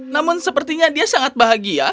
namun sepertinya dia sangat bahagia